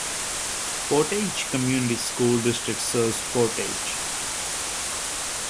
Portage Community School District serves Portage.